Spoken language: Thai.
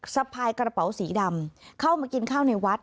สะพายกระเป๋าสีดำเข้ามากินข้าวในวัด